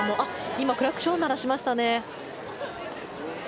今、クラクションを鳴らしましたね。